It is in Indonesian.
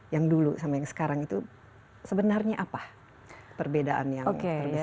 yang dulu sama yang sekarang itu sebenarnya apa perbedaan yang terbesar